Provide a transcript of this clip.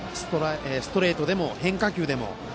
ストレートでも変化球でも。